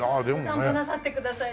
お散歩なさってください